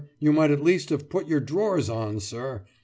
You might at least have put your drawers on, sir!